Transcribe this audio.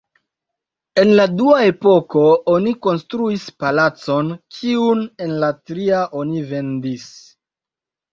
En la dua epoko oni konstruis palacon, kiun en la tria oni vendis.